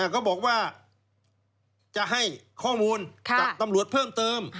เขาบอกว่าจะให้ข้อมูลกับตำรวจเพิ่มเติม